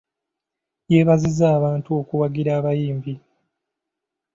Yeebazizza abantu okuwagira abayimbi.